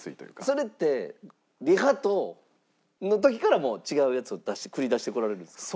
それってリハの時からもう違うやつを出して繰り出してこられるんですか？